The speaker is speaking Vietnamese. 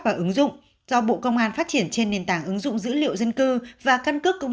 và ứng dụng do bộ công an phát triển trên nền tảng ứng dụng dữ liệu dân cư và căn cước công